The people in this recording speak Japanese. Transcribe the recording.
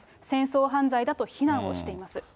戦争犯罪だと非難をしています。